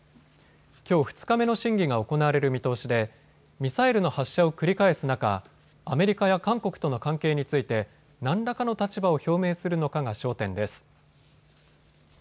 きょう２日目の審議が行われる見通しでミサイルの発射を繰り返す中、アメリカや韓国との関係について何らかの立場を表明するのかが焦点です。